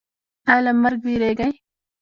ایا له مرګ ویریږئ؟